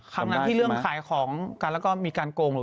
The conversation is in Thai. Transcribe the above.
ครั้งนั้นที่เรื่องขายของกันแล้วก็มีการโกงหรือ